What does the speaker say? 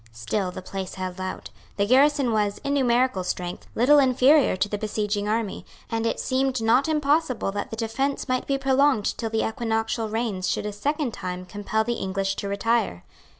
Still the place held out; the garrison was, in numerical strength, little inferior to the besieging army; and it seemed not impossible that the defence might be prolonged till the equinoctial rains should a second time compel the English to retire.